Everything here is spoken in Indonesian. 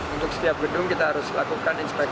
untuk setiap gedung kita harus melakukan inspeksi secara rutin